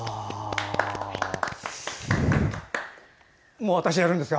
もう私やるんですか？